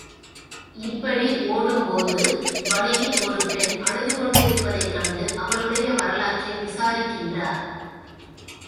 இப்படி ஓடும்போது வழியில் ஒரு பெண் அழுதுகொண்டிருப்பதைக் கண்டு அவளுடைய வரலாற்றை விசாரிக்கின்றார்.